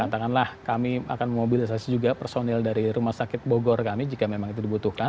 katakanlah kami akan memobilisasi juga personil dari rumah sakit bogor kami jika memang itu dibutuhkan